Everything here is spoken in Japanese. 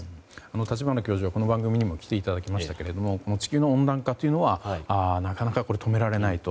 立花教授はこの番組にも来ていただきましたが地球の温暖化というのはなかなか止められないと。